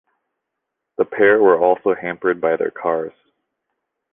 The pair were also hampered by their cars.